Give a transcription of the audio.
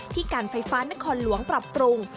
การไฟฟ้านครหลวงปรับปรุง